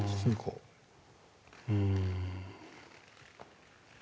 うん。